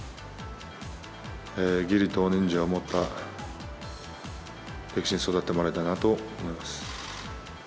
義理と人情を持った力士に育ってもらいたいなと思います。